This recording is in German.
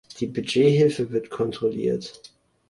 Die Budgethilfe wird kontrolliert.